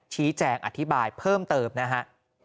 ชี้แจงอธิบายเพิ่มเติมนะฮะ